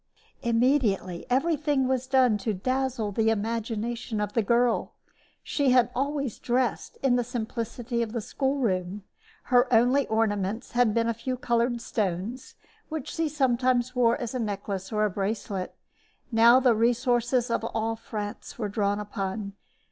Immediately everything was done to dazzle the imagination of the girl. She had dressed always in the simplicity of the school room. Her only ornaments had been a few colored stones which she sometimes wore as a necklace or a bracelet. Now the resources of all France were drawn upon.